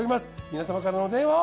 皆様からのお電話を。